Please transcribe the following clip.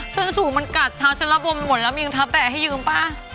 สั้นสูงมันกัดท้าเชลละบวงมันหมดแล้วมียังท้าแตะให้ยืมป่ะ